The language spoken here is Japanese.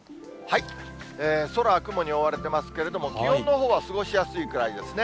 空は雲に覆われてますけれども、気温のほうは過ごしやすいくらいですね。